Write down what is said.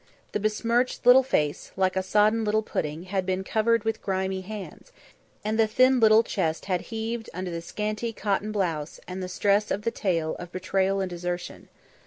The besmirched little face, like a sodden little pudding, had been covered with grimy hands, and the thin little chest had heaved under the scanty cotton blouse and the stress of the tale of betrayal and desertion.